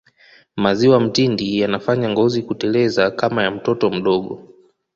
maziwa mtindi yanafanya ngozi kuteleza kama ya mtoto mdogo